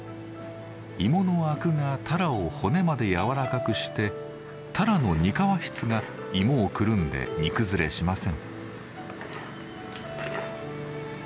芋のアクがたらを骨まで柔らかくしてたらのにかわ質が芋をくるんで煮崩れしません。